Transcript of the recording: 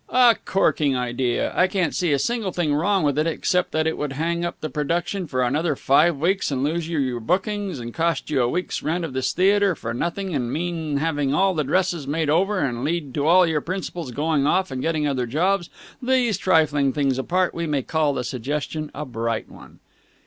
"A corking idea! I can't see a single thing wrong with it except that it would hang up the production for another five weeks and lose you your bookings and cost you a week's rent of this theatre for nothing and mean having all the dresses made over and lead to all your principals going off and getting other jobs. These trifling things apart, we may call the suggestion a bright one."